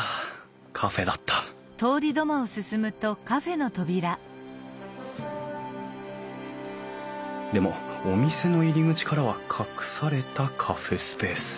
カフェだったでもお店の入り口からは隠されたカフェスペース。